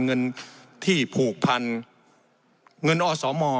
เงินที่ผูกพันเงินอสม